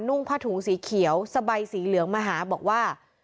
่งผ้าถุงสีเขียวสบายสีเหลืองมาหาบอกว่า